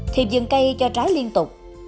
thì dừng cây cho trái liên tục